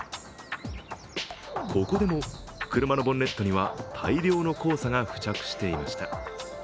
ここでも車のボンネットには大量の黄砂が付着していました。